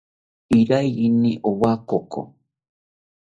Iraiyini owa koko